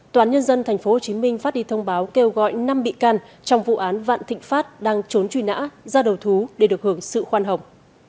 toán nhân dân tp hcm phát đi thông báo kêu gọi năm bị can trong vụ án vạn thịnh pháp đang trốn truy nã ra đầu thú để được hưởng sự khoan hồng